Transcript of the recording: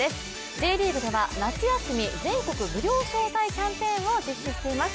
Ｊリーグでは夏休み全国無料招待キャンペーンを実施しています。